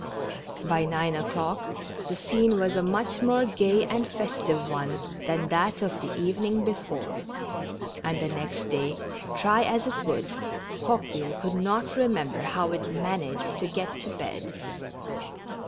By nine o'clock, the scene was a much more gay and festive one than that of the even ing before; and the next day, try as it would, Coque ville could not remember how it had managed to get to bed.